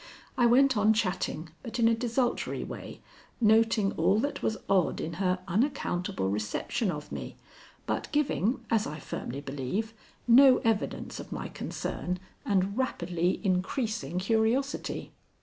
I went on chatting, but in a desultory way, noting all that was odd in her unaccountable reception of me, but giving, as I firmly believe, no evidence of my concern and rapidly increasing curiosity.